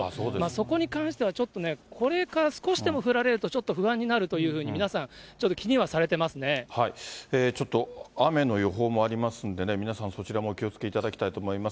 そこに関してはちょっとね、これから少しでも降られるとちょっと不安になるというふうに皆さちょっと雨の予報もありますんでね、皆さん、そちらもお気をつけいただきたいと思います。